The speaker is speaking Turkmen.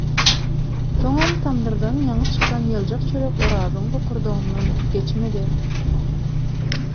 Soňam tamdyrdan ýaňy çykan ýyljak çörek Orazyň bokurdagyndan geçmedi.